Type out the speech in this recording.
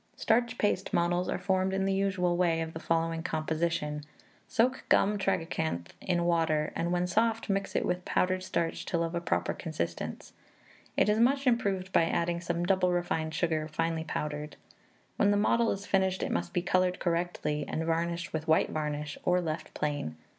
Starch paste models are formed in the usual way, of the following composition: Soak gum tragacanth in water, and when soft, mix it with powdered starch till of a proper consistence. It is much improved by adding some double refined sugar finely powdered. When the model is finished, it must be coloured correctly, and varnished with white varnish, or left plain.